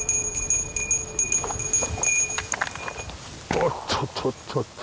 おっとっとっと。